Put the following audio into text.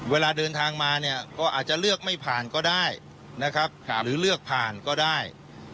เวลาเดินทางมาอาจจะเลือกไม่ผ่านก็ได้หรือเลือกผ่านก็ได้